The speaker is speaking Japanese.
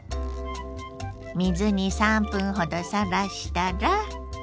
水に３分ほどさらしたら。